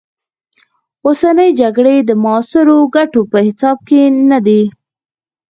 اوسنۍ جګړې د معاصرو ګټو په حساب کې نه دي.